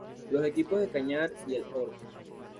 Los equipos de Cañar y El Oro.